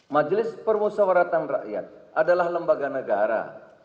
majelis permusawaratan rakyat adalah lembaga negara